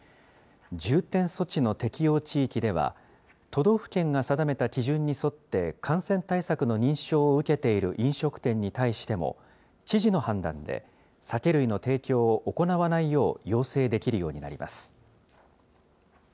重点措置の適用地域では、都道府県が定めた基準に沿って感染対策の認証を受けている飲食店に対しても、知事の判断で、酒類の提供を行わないよう要請できるようになります。